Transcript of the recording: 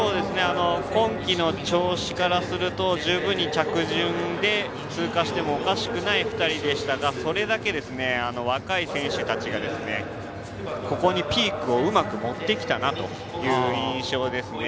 今季の調子からすると十分に着順で通過してもおかしくない２人でしたがそれだけ若い選手たちがここにピークをうまく持ってきたなという印象ですね。